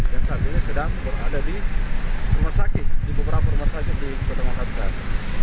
dan saat ini sedang berada di rumah sakit di beberapa rumah sakit di kota makassar